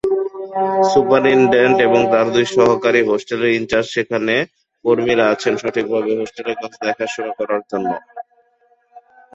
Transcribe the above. Superintendent এবং তার দুই সহকারী হোস্টেলের ইনচার্জ এবং সেখানে কর্মীরা আছেন সঠিকভাবে হোস্টেলের কাজ দেখাশোনা করার জন্য।